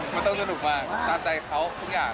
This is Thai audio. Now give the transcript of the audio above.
มันต้องดูดีมากมันต้องสนุกมากตามใจเค้าทุกอย่าง